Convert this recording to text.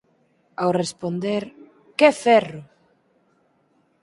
Ao responder "Que ferro!